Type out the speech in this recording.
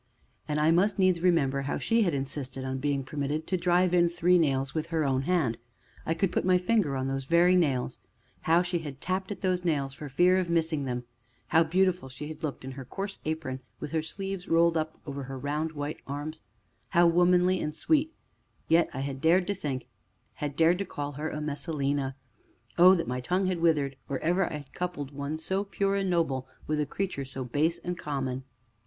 And I must needs remember how she had insisted on being permitted to drive in three nails with her own hand I could put my finger on those very nails; how she had tapped at those nails for fear of missing them; how beautiful she had looked in her coarse apron, and with her sleeves rolled up over her round white arms how womanly and sweet; yet I had dared to think had dared to call her a Messalina! Oh, that my tongue had withered or ever I had coupled one so pure and noble with a creature so base and common!